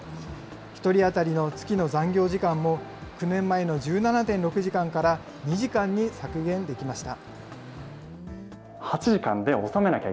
１人当たりの月の残業時間も、９年前の１７．６時間から２時間に削減できました。